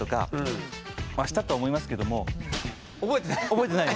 覚えてない？